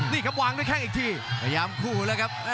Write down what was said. นี่ครับวางด้วยแข้งอีกทีพยายามคู่แล้วครับ